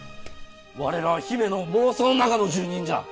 我らは姫の妄想の中の住人じゃ